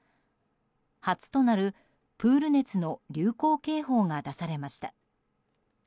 初となるプール熱の流行警報が出されました。